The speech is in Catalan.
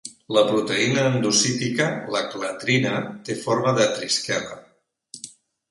La proteïna endocítica, la clatrina, té forma de trisquela.